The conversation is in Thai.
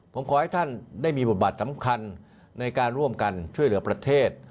ผมขอให้ท่านได้มีบทบาทสำคัญในการร่วมกันช่วยเหลือประเทศ